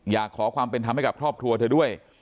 อยากขอความเป็นธรรมให้กับครอบครัวเธอด้วย